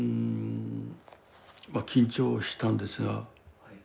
ま緊張したんですが。